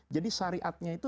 jadi syariatnya itu